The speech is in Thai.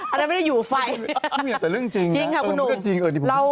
อันนั้นไม่ได้อยู่ไฟพี่เหมียวแต่เรื่องจริงนะจริงค่ะคุณหนุ่ม